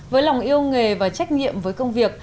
với lòng yêu nghề và trách nhiệm với công việc